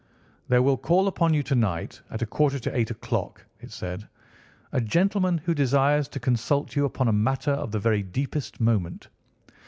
"There will call upon you to night, at a quarter to eight o'clock," it said, "a gentleman who desires to consult you upon a matter of the very deepest moment.